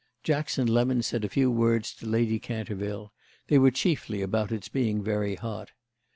Jackson Lemon said a few words to Lady Canterville; they were chiefly about its being very hot.